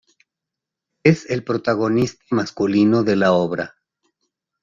Es el protagonista masculino de la obra.